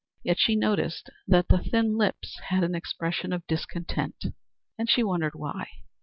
Yet she noticed that the thin lips had an expression of discontent, and she wondered why.